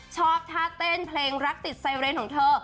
ชอบท่าเต้นเพลงรักติดไซเรนของเธอ